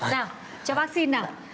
nào cho bác xin nào